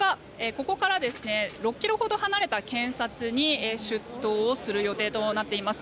ここから６ｋｍほど離れた検察に出頭する予定となっています。